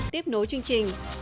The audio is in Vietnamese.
tiếp nối chương trình